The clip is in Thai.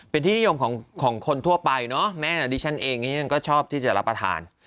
เป็นที่นิยมของคนทั่วไปเนาะแม้อดิชั่นเองก็ชอบที่จะรับอาทาน